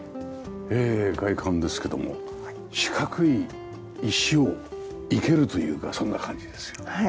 ええ外観ですけども四角い石を生けるというかそんな感じですよね。